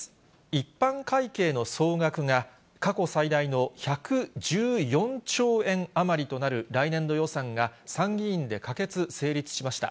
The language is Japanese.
一般会計の総額が過去最大の１１４兆円余りとなる来年度予算が、参議院で可決・成立しました。